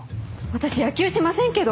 私野球しませんけど。